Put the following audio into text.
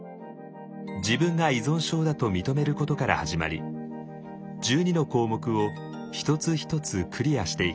自分が依存症だと認めることから始まり１２の項目を一つ一つクリアしていきます。